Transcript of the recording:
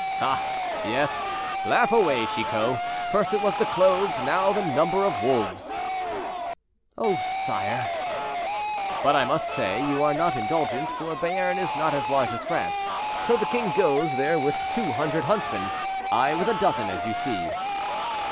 "Ah, yes, laugh away, Chicot; first it was the clothes, now the number of wolves." "Oh, sire!" "But I must say you are not indulgent, for Béarn is not as large as France; so the king goes there with two hundred huntsmen, I with a dozen, as you see."